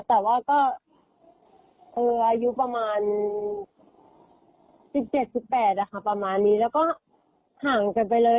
แต่ว่าก็คืออายุประมาณ๑๗๑๘ประมาณนี้แล้วก็ห่างกันไปเลย